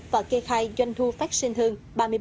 và kê khai doanh thu phát sinh hơn